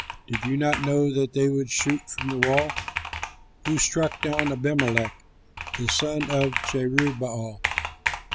Did you not know that they would shoot from the wall? Who struck down Abimelech the son of Jerubbaal?